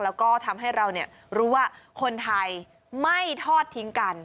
แล้วก็ทำให้เรารู้ว่าคนไทยไม่ทอดทิ้งกัน